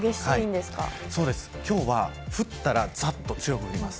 今日は降ったらざっと強く降ります。